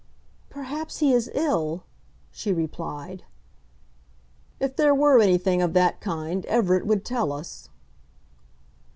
"Perhaps he is ill," she replied. "If there were anything of that kind Everett would tell us."